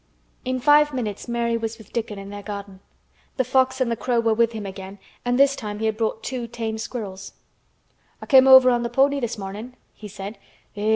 In five minutes Mary was with Dickon in their garden. The fox and the crow were with him again and this time he had brought two tame squirrels. "I came over on the pony this mornin'," he said.